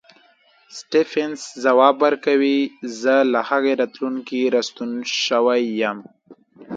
سټېفنس ځواب ورکوي زه له هغې راتلونکې راستون شوی یم.